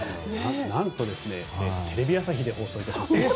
なんとテレビ朝日で放送いたします。